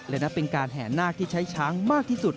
และนับเป็นการแห่นาคที่ใช้ช้างมากที่สุด